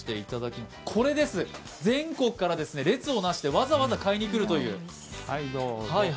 全国から列をなして、わざわざ買いに来るという。